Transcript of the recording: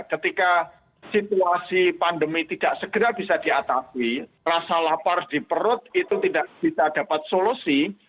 ketika situasi pandemi tidak segera bisa diatasi rasa lapar di perut itu tidak bisa dapat solusi